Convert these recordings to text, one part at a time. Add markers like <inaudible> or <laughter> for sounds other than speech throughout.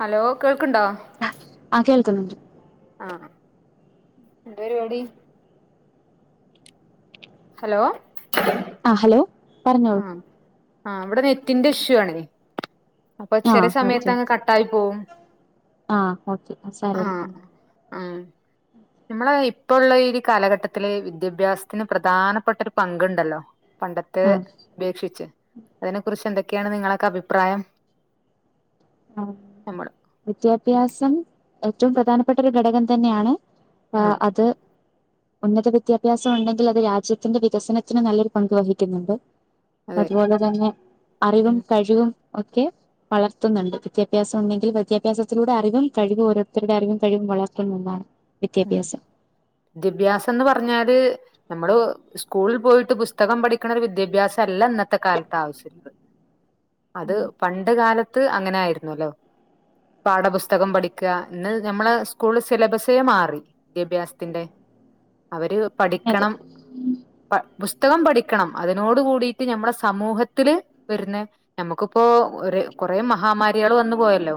<inaudible> Hello കേൾ അ ആ കേൾക്കുന്നുണ്ട് ആ എന്ത രിപാടി ഹലോ ആ ഹലോ പറഞ്ഞോളൂ ആ ആ ഇവിടെ നെ റ്റിന്റെ ഇഷ്യു ആണ് അപ്പൊ ആ ചെല ഓക്കെ സമയത്ത് അങ്ങ് ഓക്കെ കട്ടായി പോവും ആ ഓക്കെ ആ സാരല്ല ആഹ് ആഹ് നമ്മളെ ഇപ്പള്ള ഈ കാലഘട്ടത്തില് വിദ്യാഭ്യാസത്തിന് പ്രധാനപ്പെട്ട ഒരു പങ്കുണ്ടല്ലോ പണ്ടത്തെ ആ പേക്ഷിച്ച് അതിനെ കുറിച്ച് എന്തക്ക ക്കെയാണ് നിങ്ങളൊക്കെ അഭിപ്രായം ആ നമ്മൾ വിദ്യാഭ്യാസം ഏറ്റവും പ്രധാനപ്പെട്ട ഒരു ഘടകം തന്നെയാണ് ആ ആഹ് അത് ഉന്നത വിദ്യാഭ്യാസം ഉണ്ടെങ്കിൽ അത് രാജ്യത്തിന്റെ വികസനത്തിന് നല്ലൊരു പങ്ക് വഹിക്കുന്നുണ്ട് അതെ അതുപോലെ തന്നെ ഉം അറിവും കഴിവും ഓക്കെ <unintelligible> ത്തുന്നുണ്ട് വിദ്യാഭ്യാസം ഉണ്ടെങ്കിൽ വിദ്യാഭ്യാസത്തിലൂടെ അറിവും കഴിവു ഓരോത്തരുടെ അറിവും കഴിവും വളർത്തുണ്ടാരുന്നു ഉം വിദ്യാഭ്യാസന്ന് പറഞ്ഞാല് നമ്മള് സ്കൂളിൽ പോയിട്ട് പുസ്തകം പഠിക്കണ ഒരു വിദ്യാഭ്യാസല്ല ഇന്നത്തെ കാലത്ത് ആവശ്യള്ളത് അത് ഉം, പണ്ട് കാല ത്ത് അങ്ങനെ ആയിരുന്നുല്ലോ പാഠപുസ്തകം പഠിക്ക ഇന്ന് ഞമ്മളെ സ്കൂള് സിലബസേ മാ റി വിദ്യാഭ്യാസത്തിന്റെ അവര് അതെ പഠിക്കണം പ ബുസ് തകം പഠിക്കണം അതിനോട് കൂടീട്ട് ഞമ്മടെ സമൂഹത്തില് വരുന്ന നമുക്കിപ്പോ ഒര് കൊറേ മഹാമാ കുട്ടികള് വന്നു പോയല്ലോ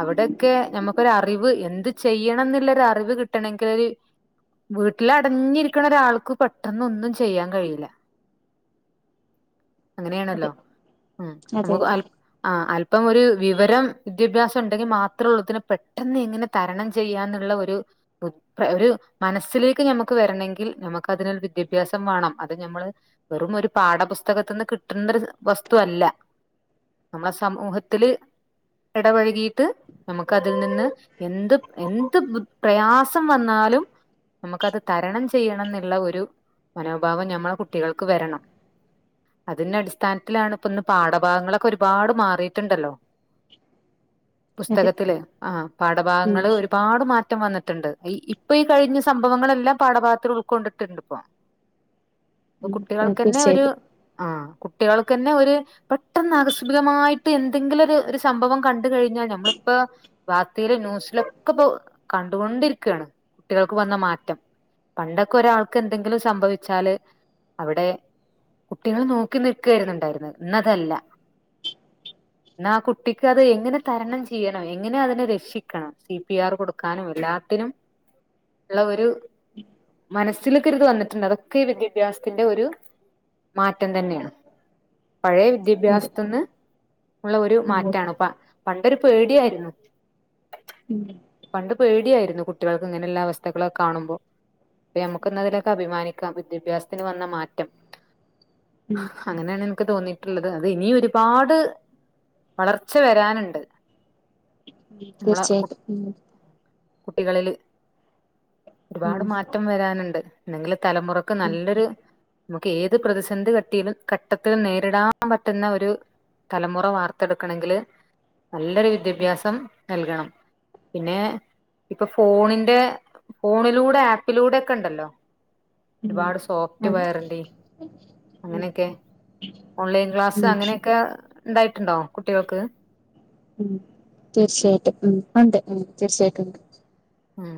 അവിടെക്കെ ഞമ്മ ക്കൊരറിവ് എന്ത് ചെയ്യണന്നില്ല ഒരറിവ് കിട്ടണെങ്കിലൊരു വീട്ടില് അടഞ്ഞിരിക്കണ ഒരാൾക്ക് പെട്ടെന്ന് ഒന്നും ചെയ്യാൻ കഴിയില്ല അതെ അങ്ങനെയാണല്ലോ ഉം അതെ നമുക്കൊക്കെ അൽ ആ അൽ ഇപ്പം ഒരു വിവരം വിദ്യാഭ്യാസം ണ്ടെങ്കി മാത്രള്ളൂത്തിന്നെ പെട്ടെന്ന് എങ്ങനെ തരണം ചെയ്യാന്നുള്ള ഒ, രു ഉദ് ഒരു മനസ്സിലേക്ക് ഞമ്മുക്ക് വരണെങ്കിൽ നമക്ക് അതിനുള്ള വിദ്യാഭ്യാസം വാണം അത് നമ്മള് വെറും ഒരു പാഠപുസ്തകത്തിന്ന് കിട്ടണ്ട ഒരു വസ്തു അല്ല നമ്മളെ സമൂഹത്തില് എടപഴകീട്ട് നമുക്ക് അതിൽ നിന്ന് എന്ത് എന്ത് ബു പ്രയാസം വന്നാലും നമുക്കത് തരണം ചെയ്യണം ന്നുള്ള ഒരു മനോഭാവം ഞമ്മളെ കുട്ടികൾക്ക് വരണം അതിന്റെ അടിസ്ഥാനത്തിലാണ് ഇപ്പന്ന് പാഠഭാഗങ്ങളൊക്കെ ഒരുപാട് മാറീട്ടുണ്ടല്ലോ അതെ പുസ്തകത്തില് ആ ഉം പാഠഭാഗങ്ങള് ഒരുപാട് മാ ട്ടം വന്നിട്ടുണ്ട് അയ് ഇപ്പൊ ഈ കഴിഞ്ഞ സംഭവങ്ങളെല്ലാം പാഠഭാഗത്തിൽ ഉൾക്കൊണ്ടിട്ടുണ്ട് പ്പോ പ്പൊ ഉം കുട്ടികൾക്കന്നെ ഒരു തീർച്ചയായിട്ടും ആ കുട്ടികൾക്ക് തന്നെ ഒരു പെട്ടെന്ന് ആകസ്മികമായിട്ട് എന്തെങ്കിലും ഒരു ഒരു സംഭവം കണ്ടുക്കഴിഞ്ഞാൽ ഞമ്മളിപ്പ വാർത്തയില് ന്യൂസിലൊക്കിപ്പോ കണ്ടുകൊണ്ടിരിക്കാണ് കുട്ടികൾക്ക് വന്ന മാറ്റം. പണ്ടൊക്കെ ഒരാൾക്ക് എന്തെങ്കിലും സംഭവിച്ചാല് അവിടെ കുട്ടികൾ നോക്കി നിൽക്കേന്ന് ഇണ്ടായിരുന്നത്. ഇന്നതല്ല ഇന്ന് ആ കുട്ടിക്ക് അത് എങ്ങനെ തരണം ചെയ്യണം എങ്ങനെ അതിനെ രക്ഷിക്കണം സി പി ആർ കൊടു ക്കാനും എല്ലാത്തിനും ഇള്ള ഒരു മനസ്സിലെക്കൊരിത് വന്നിട്ടുണ്ട്. അതൊക്കെ ഈ വിദ്യാഭ്യാസത്തിന്റെ ഒരു മാറ്റം തന്നെയാണ്. പഴയ അതെ വിദ്യാഭ്യാസത്തിന്ന് ഉള്ള ഒരു ഉം മാറ്റാണ് ഇപ്പ പ ഒരു പേടിയായിരുന്നു. ഉം പണ്ട് പേടിയായിരുന്നു കുട്ടികൾക്ക് ഇങ്ങനെയുള്ള അവസ്ഥകളൊക്കെ കാണുമ്പോ. ഇപ്പ നമുക്ക് ഇന്നതിലൊക്കെ അഭിമാനിക്കാം വിദ്യാഭ്യാസത്തിന് വന്ന മാറ്റം. ഉം അങ്ങനെയാണ് എനിക്ക് തോന്നിയ ട്ടിള്ളത് അത് ഇനി ഒരുപാട് വളർച്ച വരാനെണ്ട്. തീർച്ചയായിട്ടും ഉം കുട്ടികളില് ഒരുപാട് ഉം മാറ്റം വരാനിണ്ട്. നിങ്ങള് തലമുറക്ക് ഉം നല്ലൊരു നമുക്ക് ഏത് പ്രതിസന്ധി കട്ടിയിലും ഘട്ടത്തിലും നേരിടാൻ പറ്റുന്ന ഒരു തലമുറ വാർത്തെടുക്കണെങ്കില് നല്ലൊരു ഉം വിദ്യാഭ്യാസം നൽകണം. പിന്നെ ഇപ്പൊ ഫോണിന്റെ ഫോണിലൂടെ ആപ്പിലൂടെ ഒക്കെ ഇണ്ടല്ലോ ഉം ഒരുപാട് സോഫ്റ്റ് അതെ വെയറിൻ്റിം ഉം അങ്ങനെയൊക്കെ ഓൺലൈൻ ക്ലാസ് ഉം അങ്ങനെയൊക്കെ ഇണ്ടായിട്ടുണ്ടോ കുട്ടികൾക്ക് ഉം തീർച്ചയായിട്ടും ഉം ഉണ്ട് ഉം തീർച്ചയായിട്ടും ഉണ്ട് ഉം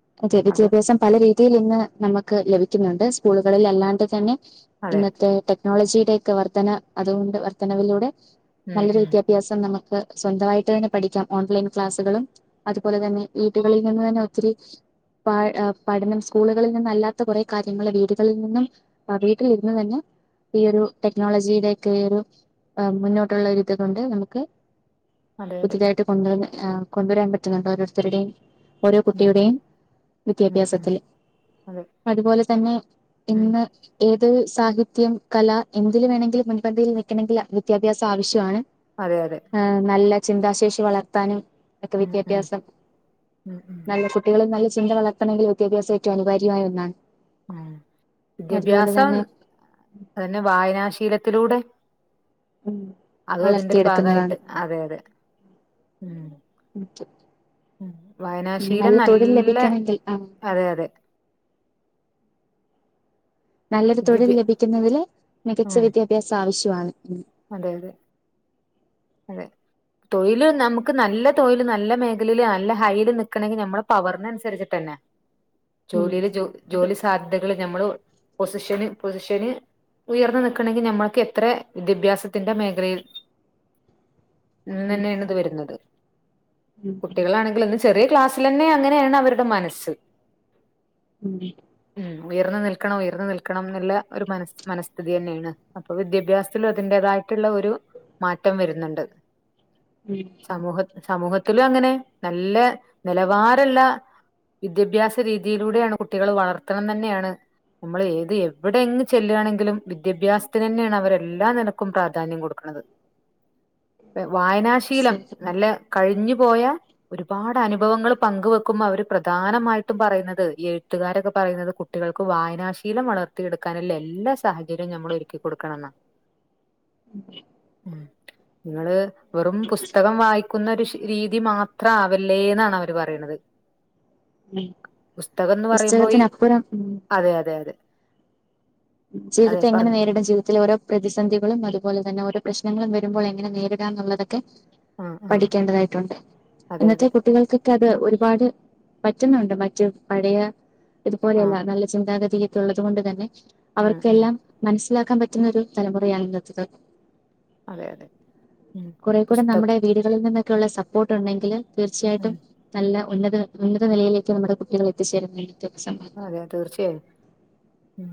<unintelligible> അതും വിദ്യാഭ്യാസം പല രീ തിയിൽ ഇന്ന് നമുക്ക് ലഭിക്കുന്നുണ്ട് സ്കൂളുകളിൽ അല്ലാണ്ട് തന്നെ അതെ ഇന്നത്തെ ടെക് നോളജിയുടെ ഒക്കെ വർധന അതുകൊണ്ട് വർധനവിലൂടെ ഉം നല്ലൊരു ഉം വിദ്യാഭ്യാസം നമ ക്ക് സ്വന്തമായിട്ട് തന്നെ പഠിക്കാം ഓൺലൈൻ ക്ലാസ്സുകളും അതുപോലെ തന്നെ വീടുകളിൽ നിന്ന് തന്നെ ഒത്തിരി പ പഠനം സ്കൂളുകളിൽ നിന്ന അല്ലാത്ത കുറെ കാര്യങ്ങൾ വീടുകളിൽ നിന്നും അ വീട്ടിലിരുന്ന് തന്നെ ഈ ഒരു ടെക്നോളജിയുടെയൊക്കെ ഒരു മുന്നോട്ടുള്ള ഒരുത് കൊണ്ട് നമുക്ക് അതെ അതെ പുതുതായിട്ട് കൊണ്ടുവന്ന് ആ കൊണ്ടുവരാൻ പറ്റുന്നുണ്ടോ ഓരോരുത്തരുടെയും ഓരോ ഉം കുട്ടിയുടെയും ഉം ഉം വിദ്യാഭ്യാസത്തില് അതെ അതുപോലെ തെന്നെ ഉം ഇന്ന് ഇ ഇത് സാഹിത്യം കല എന്തില് വേണമെങ്കിലും മുൻപന്തിയിൽ നിക്കണങ്കിൽ വിദ്യാഭ്യാസം ആവശ്യണ് ഹേ അതെ അതെ നല്ല ചിന്താശേഷി വളർത്താനും ക്കെ ഉം ഉം വിദ്യാഭ്യാസം ഉം ഉം നല്ല കുട്ടികളും ന ചിന്ത വളർത്തണങ്കി വിദ്യാഭ്യാസം ഏറ്റവും അനിവാര്യമായ ഒന്നാണ് ഉം അതുപോലെ വിദ്യാഭ്യാസം തന്നെ തന്നെ വായനാശീലത്തിലൂടെ ഉം അതും അതിന്റെ ഒരു വളർത്തിയെടുക്കുന്നതാണ് ഭാഗയിട്ട് അതെ അതെ ഉം ഉം വയനാശീലം തൊഴിൽ നല്ല ലഭിക്കണമെങ്കിൽ ആഹ് അതെ അതെ നല്ലൊരു തൊഴിൽ വിദ്യാഭ്യ ലഭിക്കുന്നതില് മികച്ച ഉം വിദ്യാഭ്യാസം ആവശ്യാ <inaudible> അതെ അതെ അതെ തൊഴില് നമുക്ക് നല്ല തൊഴില് നല്ല മേഖലയില് നല്ല ഹൈയില് നിക്കണെങ്കി നമ്മള് പവറിന് അനുസരിച്ച്ട്ടന്നെ ഉം ജോലില് അതെ ജോലി സാധ്യതകള് ഞമ്മള് പൊസിഷന് പൊസിഷന് ഉയർന്ന് നിക്കണങ്കി ഞഞമ്മക്ക് എത്ര വിദ്യഭ്യാസത്തിന്റെറ മേഖലയിൽ ഉം ഇന്നെന്നെയാണ് ഇത് വരുന്നത് ഉം കുട്ടികളാണെങ്കിലൊന്ന് ചെറിയ ക്‌ളാസിലെന്നെ അങ്ങനെയാണ് അവരുടെ മനസ്സ് ഉം <unintelligible> ഉ ഉയർന്ന് നിൽക്കണം ഉയർന്ന് നിൽക്കണം എന്ന്ള്ള ഒരു മന മനസ്സ്ഥിതി ന്നെയാണ് അപ്പൊ വിദ്യാഭ്യാസ ത്തിലും അതിന്റേതായിട്ടുള്ള ഒരു മാറ്റം വര്ന്ന്ണ്ട് ഉം സമൂഹത്തിലും അങ്ങനെ നല്ല നിലവാരള്ള വിദ്യഭ്യാസ രീതിയിലൂടെയാണ് കുട്ടികള് വളർത്തണം നെന്നെയാണ് നമ്മൾ ഏത് എവിടെ എങ്ങ് ചെല്ലാണെങ്കിലും വിദ്യാഭ്യാസത്തിന് ന്നെയാണ് അവര് എല്ലാ നിനക്കും പ്രാധാന്യം കൊടുക്കണത് വായനാശീലം നല്ല കഴിഞ് പോയ ഒരുപാട് അനുഭവങ്ങള് പങ്ക് വെക്കുമ്പോ അവര് പ്രധാനമായിട്ടും പറയുന്നത് ഈ എഴുത്തുകാരൊക്കെ പറയുന്നത് കുട്ടികൾക്ക് വായനാശീലം വളർത്തിയെടുക്കാനില്ല എല്ലാ സാഹും ഇ <unintelligible> നമ്മൾ ഒരുക്കി കൊടുക്കണം ന്നാ ഉ <inaudible> ഇങ്ങള് വെറും പുസ്തകം വായിക്കു ഒന്ന് ഒ <unintelligible> രു രീതി മാത്രാവല്ലേ ന്നാണ് അവര് പറയ്ണത് പുസ്തകംന്ന് പറയുമ്പോ ഇ പുസ്തകത്തിനപ്പുറം ഉം അതെ അതെ അതെ അതെ ജീവിതത്തെ എങ്ങനെ പറഞ്ഞു നേരിടും ജീവിതത്തിൽ ഓരോ പ്രതിസന്ധികളും അതുപോലെ തന്നെ ഓരോ പ്രശ്നങ്ങളും വരുമ്പോൾ എങ്ങനെ നേരിടാംന്നുള്ള തെക്കെ ആ ആ പഠിക്കേണ്ടതായിട്ടുണ്ട്. അതെ ഇന്നത്തെ അതെ കുട്ടികൾക്കൊക്കെ അത് ഒരു പാട് പറ്റുന്നുണ്ട് മറ്റു പഴയ ആഹ് ഇതുപോലെയല്ല നല്ല ചിന്താഗതി തുള്ളത് കൊണ്ട് തന്നെ ഉം ഉം അവർക്കെല്ലാം മനസ് ലാക്കാൻ പറ്റുന്ന ഒരു തലമുറയാണ് ഇന്നത്തത് അതെ അതെ ഉം കുറെ കൂടെ നമ്മുടെ പുസ്തകം വീടുകളിൽ നിന്ന് ക്കുള്ള സപ്പോർട്ട് ഉണ്ടെങ്കില് ഉം തീർച്ചയായിട്ടും നല്ല ഉന്നത ഉന്നത നിലയിലേക്ക് നമ്മുടെ കുട്ടികൾ എത്തിച്ചേരുന്ന <unintelligible> സമൂഹത്തിൽ അതെ തീർച്ചയായും ഉം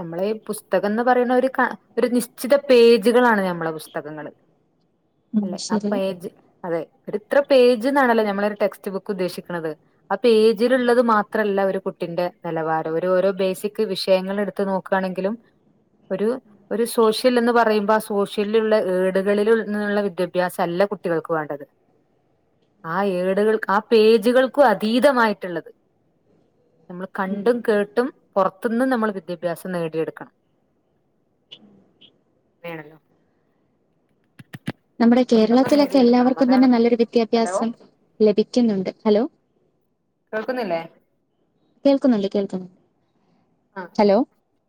നമ്മളേ പുസ്തകം ന്ന് പറയണ ഒര് ക ഒരു ഒരു നിശ്ചിത പേജുകളാണ് നമ്മളെപുസ്തകങ്ങള് ഉം അല്ലെ ആ ശരി പേജ് അതെ ഒരു ഇത്ര പേജ് ന്നാണല്ലോ ഞമ്മള ഒരു ടെക്സ്റ്റ് ബുക്ക് ഉദ്ദേശിക്കുന്നത്. ആ പേജിലുള്ളത് മാത്രല്ല ഒരു കുട്ട് കുട്ടിന്റെ നിലവാരം ഒരു ഓരോ ബേസിക് വിഷയങ്ങൾ എടുത്ത് നോക്കാണെങ്കിലും ഒരു ഒരു സോഷ്യൽ എന്ന് പറയുമ്പോ ആ സോഷ്യല് ലുള്ള ഏടുകളിൽ നിന്നുള്ള വിദ്യാഭ്യാസം അല്ല കുട്ടികൾക്ക് വേണ്ടത് ആ ഏടുകൾ ആ പേജുകൾക്കും അതീതമായിട്ടുള്ളത് നമ്മൾ ഉം കണ്ടും കേട്ടും പൊറത്ത്ന്ന് നമ്മൾ വിദ്യാഭ്യാസം നേടിയെടുക്കണം വേണല്ലോ നമ്മുടെ പുറത്തുനിന്ന് കേരളത്തിലൊക്കെ നേടിയെടുക്കണം എല്ലാവർക്കും അതാണ് തന്നെ നല്ലൊരു ഹലോ വിദ്യാഭ്യാസം ലഭിക്കുന്നുണ്ട്. ഹലോ കേൾക്കുന്നില്ലേ കേൾക്കുന്നുണ്ട് കേൾക്കുന്നു ആ ഹലോ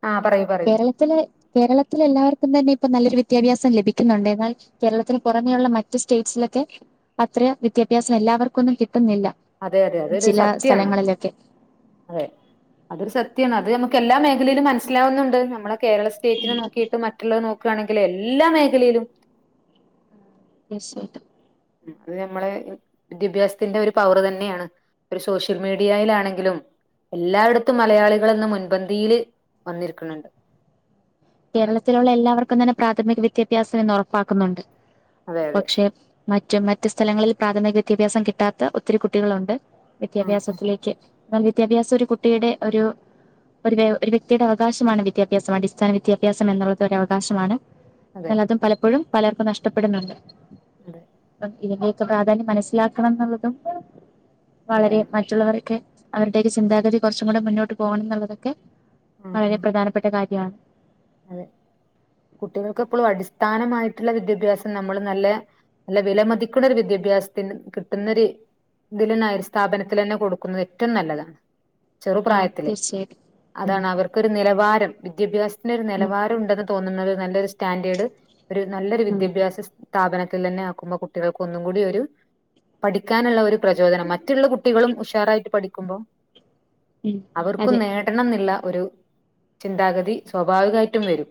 ആ പറയൂ പറയൂ കേരളത്തിലെ കേരള എല്ലാവർക്കും തന്നെ ഇപ്പ നല്ലൊരു വിദ്യാഭ്യാസം ലഭിക്കുന്നുണ്ട് എന്നാൽ കേരളത്തിന് പുറമെയുള്ള മറ്റ സ്റ്റേറ്റ്സിലൊക്കെ അത്ര വിദ്യാഭ്യാസം എല്ലാവർക്കുമൊന്നും കിട്ട് ട്ടുന്നില്ല അതെ അതെ അതൊരു ചില സത്യാണ് സ്ഥലങ്ങളിലൊക്കെ അതെ അതൊരു സത്യമാണ് അത് നമുക്ക് എല്ലാ മേഖലയിലും മനസ്സിലാവകുന്നുണ്ട് നമ്മളെ കേരള സ്റ്റെറ്റിനെ നോക്കിട്ട് മറ്റുള്ളത് നോ കാണെങ്കില് എല്ലാ മേഖലയിലും തീർച്ചയായിട്ടും അത് നമ്മളെ വിദ്യാഭ്യാസത്തിന്റെ ഒരു പവറ് തന്നെയാണ് ഒരു സോഷ്യൽ മീഡിയയിലാണെങ്കിലും എല്ലായിടത്തും മലയാളികളെന്ന് മുൻപന്തിയില് വന്നിരിക്കുന്നുണ്ട് കേരളത്തിലുള്ള എല്ലാവർക്കും തന്നെ പ്രാഥമിക വി ദ്യാഭ്യാസം ഇന്ന് ഉറപ്പാക്കുന്നുണ്ട് അതെ അതെ പക്ഷെ മ മറ്റ് സ്ഥലങ്ങളിൽ പ്രാഥമിക വിദ്യാഭ്യാസം കിട്ടാത്ത ഒത്തിരി കുട്ടികളുണ്ട് വിദ്യാഭ്യാസത്തിലേക്ക് എന്നാൽ വിദ്യാഭ്യാസ ഒരു കുട്ടിയുടെ ഒരു ഒരു ഒരു വ്യക്തിയുടെ അവകാശമാണ് വിദ്യാഭ്യാസം അടിസ്ഥാന വിദ്യ വ്യത്യാസം എന്നുള്ളത് ഒരു അവകാശമാണ് അതെ എന്നാൽ അത് പലപ്പഴും പലർക്കും നഷ്ടപ്പെടുന്ന്ണ്ട് അതെ ഇതിന്റെക്കെ പ്രാധാന്യം മനസ്സിലാക്കണം എന്നുള്ളതും അതെ വളരെ അതെ മറ്റുള്ളവർക്കെ അവരുടെ ഒരു ചിന്താഗതി കുറച്ചും കൂടെ മുന്നോട്ട് പോകണം എന്നുള്ളതൊക്കെ ഉം വളരെ ഉം പ്രധാനപ്പെട്ട കാര്യ യാ അതെ കുട്ടികൾക്ക്എപ്പോഴും അടിസ്ഥാനമായിട്ടുള്ള വിദ്യാഭ്യാസം നമ്മൾ നല്ല നല്ല വില മതിക്കുന്ന ഒരു വിദ്യാഭ്യാസത്തിന് കിട്ടുന്നൊ ഒരു ഇതിൽന്ന സ്ഥാപനത്തിൽ തന്നെ കൊടുക്കുന്നത് ഏറ്റവും നല്ലതാണ് ആഹ് ചെറുപ്രായത്തില് തീർച്ചയായിട്ടും ഉം അതാണ് അവർക്കൊരു നിലവാര <unintelligible> വിദ്യാഭ്യാസം പിന്നെ ഒരു ഉം നിലവാരം ഉണ്ടെന്ന് തോന്നുന്നത് നല്ലൊരു സ്റ്റാൻഡേർഡ് ഒരു നല്ലൊരു ഉം വിദ്യാഭ്യാസ സ്ഥാപനത്തിൽ തന്നെ ആക്കുമ്പോ കുട്ടികൾക്ക് ഒന്നും കൂടി ഒരു പഠിക്കാനുള്ള ഒരു പ്രചോദനം മറ്റുള്ള കുട്ടികളും ഉഷാർ ആയിട്ട് പഠിക്കുമ്പോ ഉം അവർക്കും അതെ നേടണം ന്ന്ള്ള ഒരു ചിന്താഗതി സ്വാഭാവികായിട്ടും വരും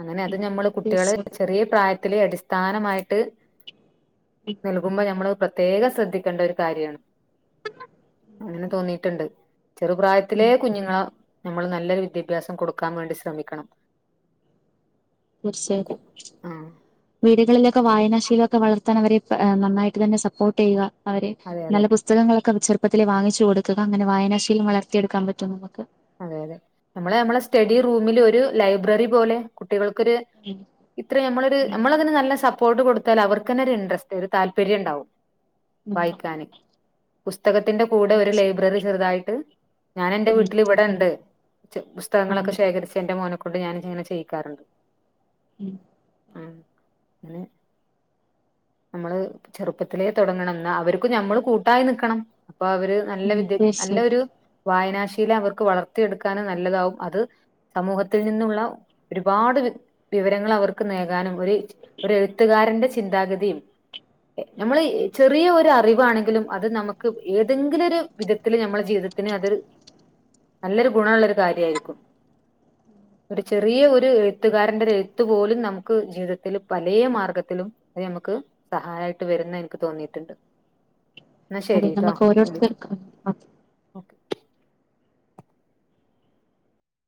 അങ്ങനെ അത് ഉം നമ്മള് കുട്ടികള് തീർച്ചയായിട്ടും ചെറിയ പ്രായ ത്തിലെ അടിസ്ഥാനമായിട്ട് നൽകുമ്പോ നമ്മള് പ്ര പ്രത്യേകം ശ്രദ്ധിക്കേണ്ട ഒരു കാര്യമാണ് അങ്ങനെ തോന്നീട്ടുണ്ട് ഉം ചെറുപ്രായത്തിലെ ഉം കുഞ്ഞുങ്ങളെ നമ്മള് നല്ലൊരു വിദ്യാഭ്യാസം കൊടുക്കും നക്കാൻ വേണ്ടി ശ്രമിക്കണം തീർച്ചയായിട്ടും ആഹ് വീടുകളിലൊക്കെ വായനാ ശീലമൊക്കെ വളർത്താൻ അവരെ നന്നായിട്ട് തന്നെ സപ്പോർട്ട് ചെയ്യുക അവരെ അതെ അതെ നല്ല പുസ്തകങ്ങളൊക്കെ <unintelligible> പപ്പത്തിലെ വാങ്ങിച്ച കൊടുക്കുക അങ്ങനെ വായനശീലം വളർത്തിയടുക്കാൻ പറ്റും നമുക്ക് അതെ അതെ നമ്മള് നമ്മെ സ്റ്റഡി റൂമില് ഒരു ലൈബ്രറി പോലെ കുട്ടികൾക്കൊരു ഉം ഇത്ര നമ്മളരു നമ്മളന് നല്ല പ്പോർട്ട് കൊടുത്താല് അവർക്ക് തന്നെ ഒരു ഇൻട്രസ്റ്റ് ഒരു താല്പര്യം ഉണ്ടാവും ഉം വായിക്കാനെ പുസ് തകത്തിന്റെ കൂടെ ഒരു ലൈബ്രററി ചെറുതായിട്ട് ഞാൻ എന്റെ ഉം വീട്ട് ഉം ട്ടില് ഇവിടെ ഇണ്ട് അതെ പുസ്തകങ്ങളൊക്കെ ആഹ് ശേഖരിച്ച് എൻ്റെ മോനൊക് കൊണ്ട് ഞാൻ ഇങ്ങനെ ചെയ്യിക്കാറുണ്ട് ഉം ഉം അങ്ങനെ നമ്മള് ചെറുപ്പത്തിലേ തൊടങ്ങണം എന്നാ അവർക്ക് ഞമ്മള് കൂട്ടായി നിക്കണം അപ്പൊ അവര് നല്ല ഉം വിദ്യ നല്ല ഒരു തീർച്ചയായിട്ടും വായനാ അവർക്ക് വളർത്തിയെടുക്കാനും നല്ലതാവും. അത് സമൂഹത്തിൽ നിന്നുള്ള ഒരുപാട് വി വിവരങ്ങൾ അവർക്ക് നൽകാനും ഒരു ഒരു എഴുത്തുകാരന്റെ ചിന്താഗതിയും ഞമ്മൾ ചെറിയ ഒരു അറിവാണെങ്കിലും അത് നമുക്ക് ഏതെങ്കിലും ഒരു വിധത്തില് നമ്മുടെ ജീവിതത്തിന് അത് നല്ലൊരു ഗുണം ഉള്ളരു കാര്യയിരിക്കും. ഒരു ചെറിയ ഒരു എഴുത്തുകാരന്റെ എഴുത്ത് പോലും നമുക്ക് ജീവിതത്തില് പലയ മാർഗത്തിലും അത് നമുക്ക് സഹായമായിട്ട് വരുന്ന് എനിക്ക് തോന്നിയിട്ടുണ്ട്. എന്നാ അതെ ശരിട്ടോ നമുക്ക് വിളിക്കാം ഓരോരുത്തർക്കും